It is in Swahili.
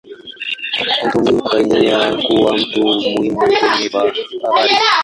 Anthony akaendelea kuwa mtu muhimu kwenye habari.